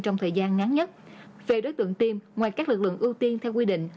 trong thời gian ngắn nhất về đối tượng tiêm ngoài các lực lượng ưu tiên theo quy định